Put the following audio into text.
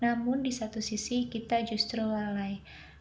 namun di satu sisi kita justru lalai